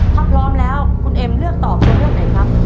ถ้าพร้อมแล้วคุณเอ็มเลือกตอบตัวเลือกไหนครับ